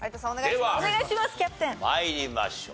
では参りましょう。